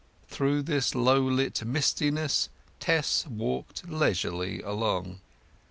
Through this low lit mistiness Tess walked leisurely along.